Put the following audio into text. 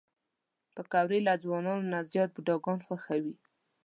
پکورې له ځوانانو نه زیات بوډاګان خوښوي